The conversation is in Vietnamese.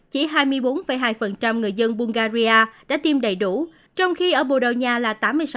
chỉ hai mươi bốn hai người dân bungaria đã tiêm đầy đủ trong khi ở bồ đào nha là tám mươi sáu